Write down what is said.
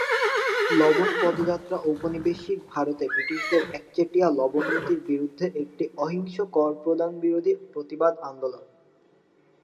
লবণ পদযাত্রা ঔপনিবেশিক ভারতে ব্রিটিশদের একচেটিয়া লবণ নীতির বিরুদ্ধে একটি অহিংস করপ্রদান-বিরোধী প্রতিবাদ আন্দোলন।